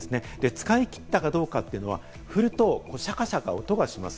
使い切ったかどうかというのは、振るとシャカシャカ音がします。